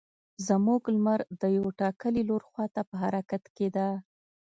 زموږ لمر د یو ټاکلي لور خوا ته په حرکت کې ده.